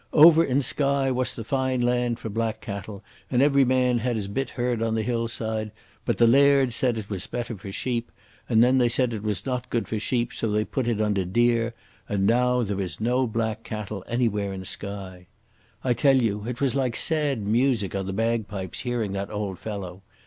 "Over in Skye wass the fine land for black cattle, and every man had his bit herd on the hillside. But the lairds said it wass better for sheep, and then they said it wass not good for sheep, so they put it under deer, and now there is no black cattle anywhere in Skye." I tell you it was like sad music on the bagpipes hearing that old fellow.